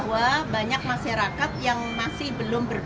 karena kita tahu bahwa banyak masyarakat yang masih belum berbank